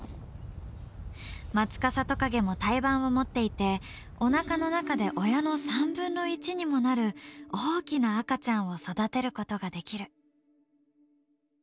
マツカサトカゲも胎盤を持っていておなかの中で親の３分の１にもなる大きな赤ちゃんを育てることができる。